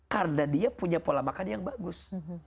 karena dia punya pola makan yang bagus